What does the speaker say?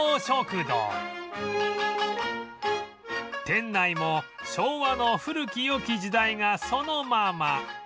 店内も昭和の古き良き時代がそのまま